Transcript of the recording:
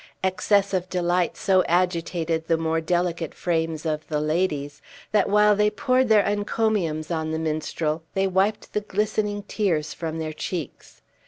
Excess of delight so agitated the more delicate frames of the ladies, that while they poured their encomiums on the minstrel, they wiped the glistening tears form their cheeks.